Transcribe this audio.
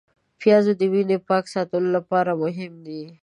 پیاز د وینې پاک ساتلو لپاره مهم دی